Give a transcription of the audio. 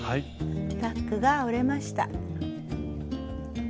タックが折れました。